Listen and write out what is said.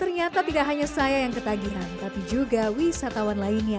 ternyata tidak hanya saya yang ketagihan tapi juga wisatawan lainnya